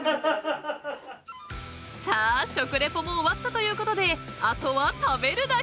［さあ食レポも終わったということであとは食べるだけ！］